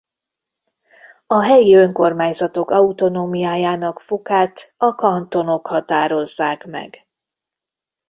A helyi önkormányzatok autonómiájának fokát a kantonok határozzák meg.